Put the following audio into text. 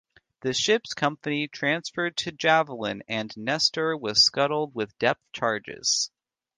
The ship's company transferred to "Javelin", and "Nestor" was scuttled with depth charges.